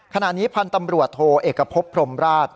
ขณะนี้พันธ์ตำรวจโทเอกพบพรมราช